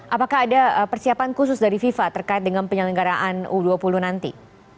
apakah ada persiapan khusus dari fifa terkait dengan penyelenggaraan u dua puluh nanti